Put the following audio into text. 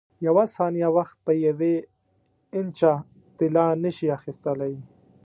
یوه ثانیه وخت په یوې انچه طلا نه شې اخیستلای.